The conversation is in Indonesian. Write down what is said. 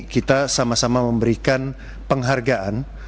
kita sama sama memberikan penghargaan